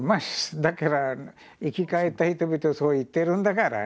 だから生き返った人々そう言ってるんだからね。